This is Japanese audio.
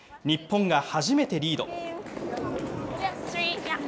日本が初めてリード。